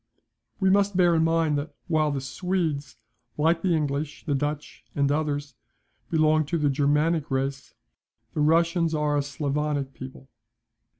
We must bear in mind, that while the Swedes, like the English, the Dutch, and others, belong to the Germanic race, the Russians are a Sclavonic people.